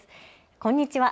こんにちは。